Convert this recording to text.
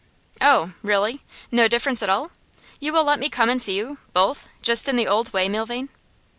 'Oh? Really? No difference at all? You will let me come and see you both just in the old way, Milvain?